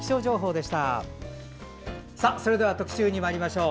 それでは特集にまいりましょう。